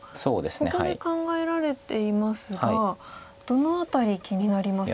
ここで考えられていますがどの辺り気になりますか？